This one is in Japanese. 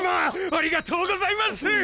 ありがとうございます！